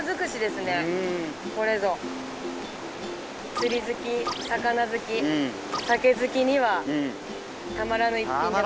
釣り好き魚好き酒好きにはたまらぬ一品ですね。